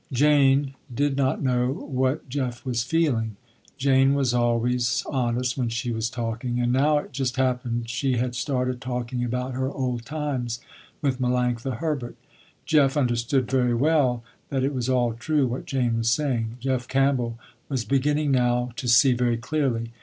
Jane did not know what Jeff was feeling. Jane was always honest when she was talking, and now it just happened she had started talking about her old times with Melanctha Herbert. Jeff understood very well that it was all true what Jane was saying. Jeff Campbell was beginning now to see very clearly.